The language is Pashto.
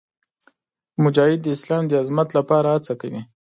مجاهد د اسلام د عظمت لپاره هڅه کوي.